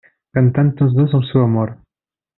Cantant tots dos el seu amor.